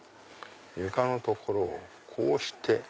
床のところをこうして。